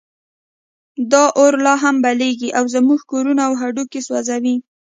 دا اور لا هم بلېږي او زموږ کورونه او هډوکي سوځوي.